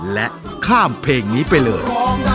และข้ามเพลงนี้ไปเลย